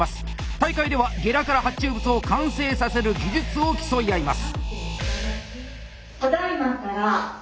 大会ではゲラから発注物を完成させる技術を競い合います。